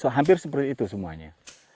hampir seperti itu semuanya